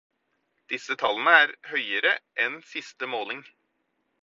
Disse tallene er høyere enn siste måling.